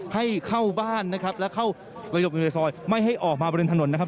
ให้เข้าบ้านนะครับและเข้าระยมอยู่ในซอยไม่ให้ออกมาบริเวณถนนนะครับ